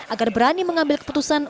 agar berani mengambil keputusan